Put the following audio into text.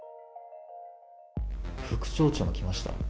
副町長も来ました。